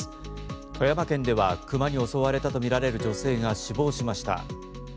富山県では熊に襲われたとみられる女性が死亡しました。